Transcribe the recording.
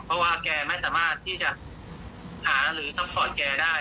เพราะว่าแกไม่สามารถที่จะหาหรือซัพพอร์ตแกได้